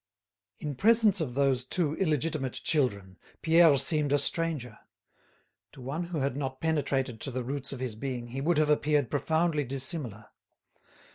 In presence of those two illegitimate children Pierre seemed a stranger; to one who had not penetrated to the roots of his being he would have appeared profoundly dissimilar.